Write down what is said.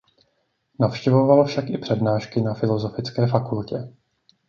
Navštěvoval však i přednášky na filozofické fakultě.